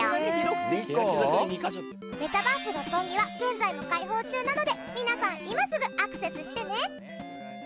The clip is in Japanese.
メタバース六本木は現在も開放中なので皆さん今すぐアクセスしてね。